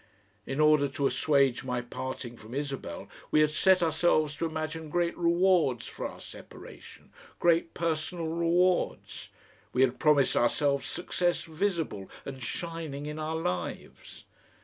In order to assuage my parting from Isabel we had set ourselves to imagine great rewards for our separation, great personal rewards; we had promised ourselves success visible and shining in our lives.